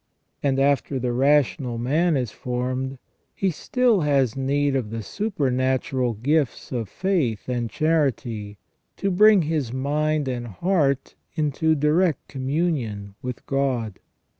And after the rational man is formed, he still has need of the supernatural gifts of faith and charity, to bring his mind and heart into direct communion with God.